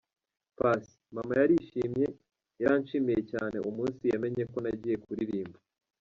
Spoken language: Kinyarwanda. Paccy: Mama yarishimye, yaranshimiye cyane umunsi yamenye ko nagiye kuririmba.